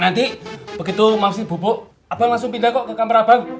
nanti begitu masih bubuk abang langsung pindah kok ke kamar abang